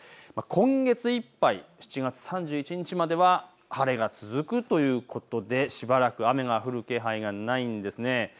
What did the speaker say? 今月いっぱい７月３１日までは晴れが続くということでしばらく雨が降る気配がないんですね。